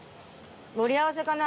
盛り合わせかな。